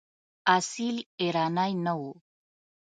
اصیل ایرانی نه وو.